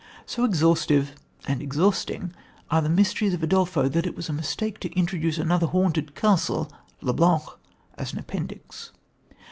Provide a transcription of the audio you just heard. So exhaustive and exhausting are the mysteries of Udolpho that it was a mistake to introduce another haunted castle, le Blanc, as an appendix.